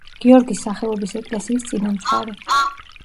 გიორგის სახელობის ეკლესიის წინამძღვარი.